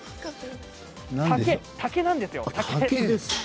竹なんですよ。